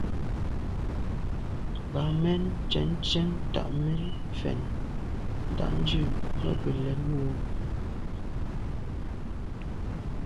Bǎmén cɛ̌n tsjə́ŋ tà’ mɛ̀n fɛ̀n ndǎʼndjʉ̂ mə́ gə̀ lɛ̌n wú.